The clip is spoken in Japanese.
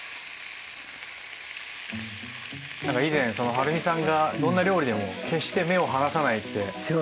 何か以前そのはるみさんがどんな料理でも決して目を離さないって。